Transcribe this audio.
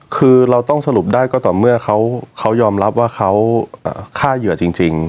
คือเราต้องสรุปได้ก็ต่อเมื่อเขายอมรับว่าเขาฆ่าเหยื่อจริง